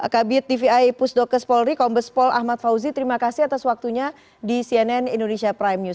kabinet dvi pusdokkes polri kombes pol ahmad fauzi terima kasih atas waktunya di cnn indonesia prime news